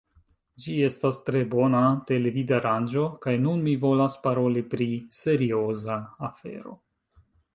Ĝi estas tre bona televidaranĝo kaj nun mi volas paroli pri serioza afero